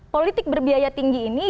politik berbiaya tinggi ini